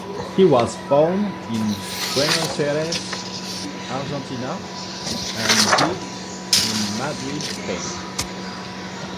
He was born in Buenos Aires, Argentina, and died in Madrid, Spain.